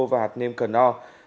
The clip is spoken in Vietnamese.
và hạt nêm cần nò